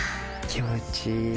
気持ちいい。